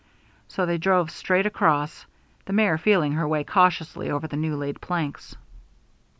So they drove straight across, the mare feeling her way cautiously over the new laid planks.